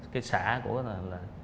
cái xã của